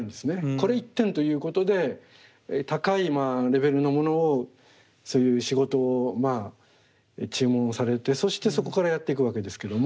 これ１点ということで高いレベルのものをそういう仕事を注文されてそしてそこからやっていくわけですけども。